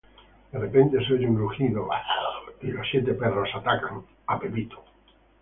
De repente se oye un rugido, y los siete perros y Tim atacan.